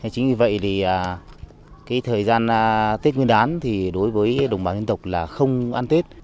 chính vì vậy thì cái thời gian tết nguyên đán thì đối với đồng bào dân tộc là không ăn tết